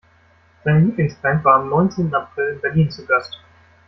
Seine Lieblingsband war am neunzehnten April in Berlin zu Gast.